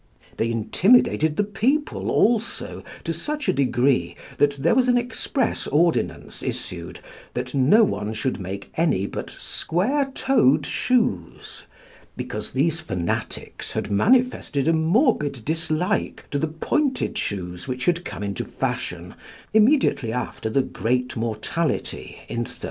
They intimidated the people also to such a degree that there was an express ordinance issued that no one should make any but square toed shoes, because these fanatics had manifested a morbid dislike to the pointed shoes which had come into fashion immediately after the "Great Mortality" in 1350.